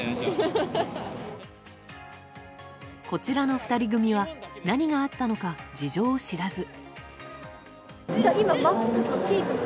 こちらの２人組は何があったのか事情を知らず。